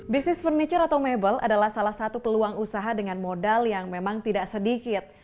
bisnis furniture atau mebel adalah salah satu peluang usaha dengan modal yang memang tidak sedikit